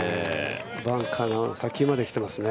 バンカーの先まで来てますね。